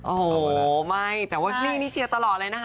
โอ้โหไม่แต่ว่าพี่นี่เชียร์ตลอดเลยนะคะ